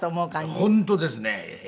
本当ですね。